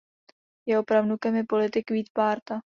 Jeho pravnukem je politik Vít Bárta.